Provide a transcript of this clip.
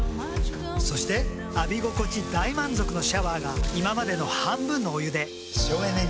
そして浴び心地大満足のシャワーが今までの半分のお湯で省エネに。